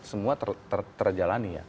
semua terjalani ya